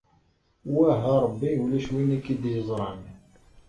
Wah a Ṛebbi ulac win i k-id-yeẓṛan.